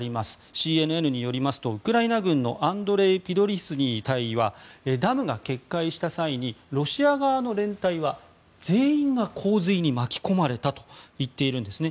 ＣＮＮによりますとウクライナ軍のアンドレイ・ピドリスニイ大尉はダムが決壊した際にロシア側の連隊は全員が洪水に巻き込まれたといっているんですね。